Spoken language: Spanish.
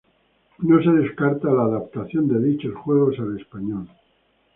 No se descarta la adaptación de dichos juegos al español.